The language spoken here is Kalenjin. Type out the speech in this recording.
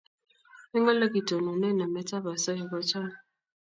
Eng' ole kitononi namet ab asoya ko chang'